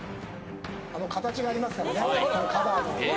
形がありますからね、カバーの。